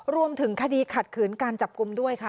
รวมถึงคดีขัดขืนการจับกลุ่มด้วยค่ะ